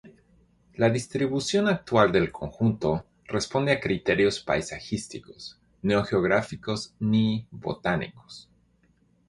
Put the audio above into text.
La distribución actual del conjunto, responde a criterios paisajísticos, no geográficos ni botánicos.